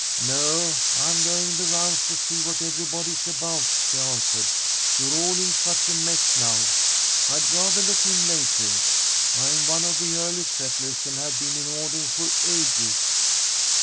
"No, I'm going the rounds to see what everybody is about," she answered. "You're all in such a mess now, I'd rather look in later. I'm one of the early settlers, and have been in order for ages."